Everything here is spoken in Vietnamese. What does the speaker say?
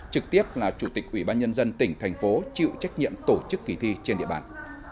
trực tiếp là chủ tịch ủy ban nhân dân tỉnh thành phố chịu trách nhiệm tổ chức kỳ thi trên địa bàn